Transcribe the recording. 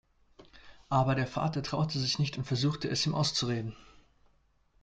Aber der Vater traute sich nicht und versuchte, es ihm auszureden.